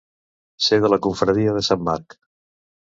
Ser de la confraria de sant Marc.